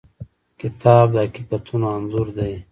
کتاب د حقیقتونو انځور دی.